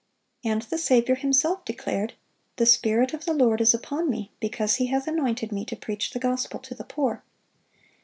(542) And the Saviour Himself declared, "The Spirit of the Lord is upon Me, because He hath anointed Me to preach the gospel to the poor."